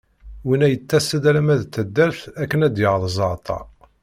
Winna yettas-d alamma d taddart akken ad yaɣ zzeɛter.